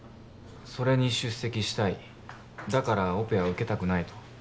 それに出席したいだからオペは受けたくないと？